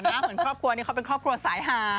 เหมือนครอบครัวนี้เขาเป็นครอบครัวสายหา